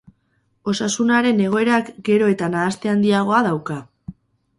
Osasunaren egoerak gero eta nahaste handiagoa dauka.